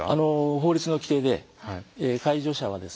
法律の規定で介助者はですね